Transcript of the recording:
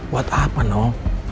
buat apa noh